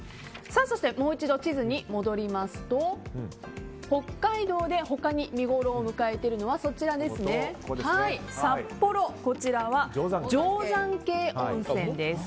そしてもう一度地図に戻りますと北海道で他に見ごろを迎えているのは札幌・定山渓温泉です。